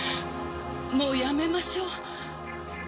もうやめましょう。